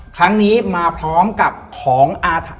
ครั้งนี้มาพร้อมกับของอาถรรพ